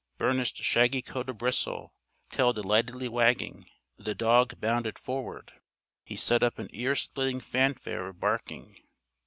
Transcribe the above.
Burnished shaggy coat a bristle, tail delightedly wagging, the dog bounded forward. He set up an ear splitting fanfare of barking.